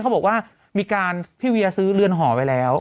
เขาบอกว่ามีการพี่เวียซื้อเรือนหอไว้แล้ว